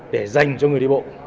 để dành cho người đi bộ